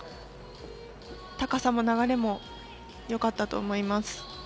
高さも流れもよかったと思います。